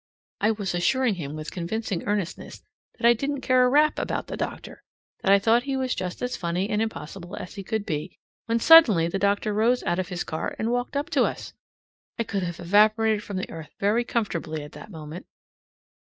I was assuring him with convincing earnestness that I didn't care a rap about the doctor, that I thought he was just as funny and impossible as he could be, when suddenly the doctor rose out of his car and walked up to us. I could have evaporated from the earth very comfortably at that moment!